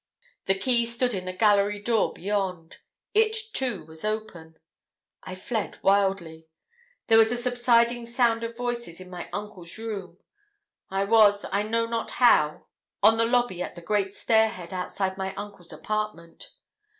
The key stood in the gallery door beyond; it too, was open. I fled wildly. There was a subsiding sound of voices in my uncle's room. I was, I know not how, on the lobby at the great stair head outside my uncle's apartment.